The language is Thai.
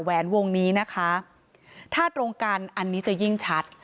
แวนวงนี้นะคะถ้าตรงกันอันนี้จะยิ่งชัด